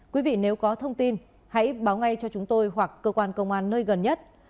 quý vị nếu có thông tin hãy báo ngay cho chúng tôi hoặc cơ quan công an nơi gần nhất